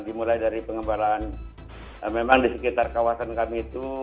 dimulai dari pengembaraan memang di sekitar kawasan kami itu